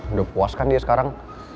udah puas kan dia sekarang